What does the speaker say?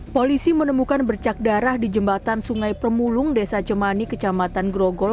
polisi menemukan bercak darah di jembatan sungai permulung desa cemani kecamatan grogol